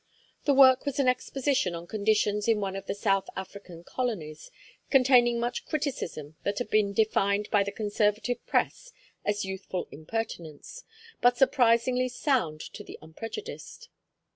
The work was an exposition of conditions in one of the South African colonies, containing much criticism that had been defined by the Conservative press as youthful impertinence, but surprisingly sound to the unprejudiced.